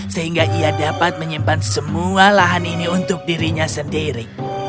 sehingga ia dapat menyimpan semua lahan ini untuk dirinya sendiri